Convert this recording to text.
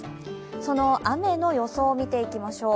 その雨の予想を見ていきましょう。